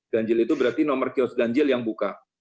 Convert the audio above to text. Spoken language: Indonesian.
ganjil itu berarti nomor kios ganjil yang buka